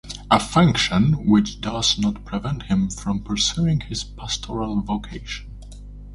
A function which does not prevent him from pursuing his pastoral vocation.